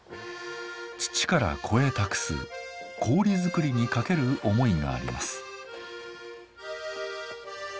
父から子へ託す氷作りに懸ける思いがあります。